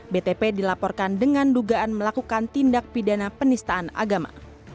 btp dilaporkan dengan dugaan melakukan tindak pidana penistaan agama